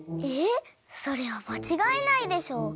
えっそれはまちがえないでしょ。